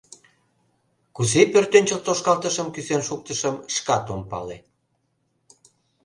Кузе пӧртӧнчыл тошкалтышым кӱзен шуктышым, шкат ом пале.